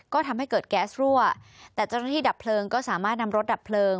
ก็ทำให้เกิดแก๊สรั่วแต่เจ้าหน้าที่ดับเพลิงก็สามารถนำรถดับเพลิง